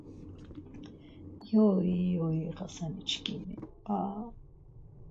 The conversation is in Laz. Yoi yoi yoi Xasani çkimi aaa...